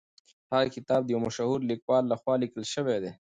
هغه کتاب د یو مشهور لیکوال لخوا لیکل سوی دی.